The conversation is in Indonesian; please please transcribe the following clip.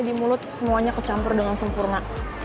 di mulut semuanya kecampur dengan sempurna